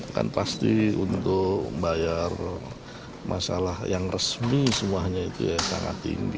kan pasti untuk membayar masalah yang resmi semuanya itu ya sangat tinggi